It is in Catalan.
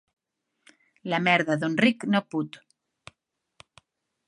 La merda d'un ric no put.